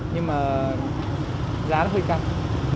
nhưng mà giá nó hơi cao